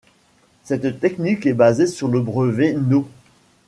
Cette technique est basée sur le brevet no.